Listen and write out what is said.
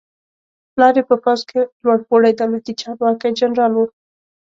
پلار یې په پوځ کې لوړ پوړی دولتي چارواکی جنرال و.